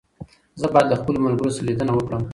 زه بايد له خپلو ملګرو سره ليدنه وکړم.